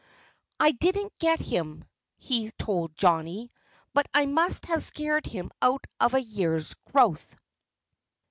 "I didn't get him," he told Johnnie. "But I must have scared him out of a year's growth."